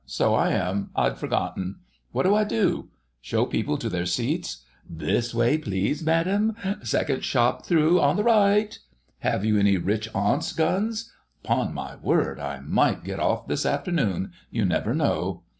So I am—I'd forgotten. What do I do? Show people to their seats: 'this way please, madam, second shop through on the right.' ... Have you any rich aunts, Guns? 'Pon my word, I might get off this afternoon—you never know.